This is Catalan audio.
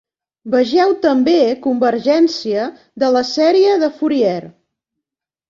Vegeu també: Convergència de la sèrie de Fourier.